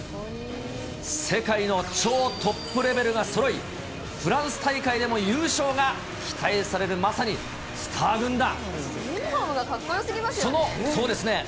世界の超トップレベルがそろい、フランス大会でも優勝が期待される、まさにスター軍団。